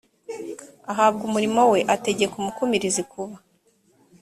ahabwa umurimo we ategeka umukumirizi kuba